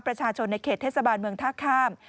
ประชาชนในเขตเทศบาลเมืองท่าข้าม